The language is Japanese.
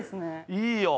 いいよ。